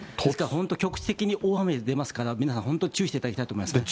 本当、局地的に大雨が出ますから、皆さん、本当に注意していただきたいと思いますね。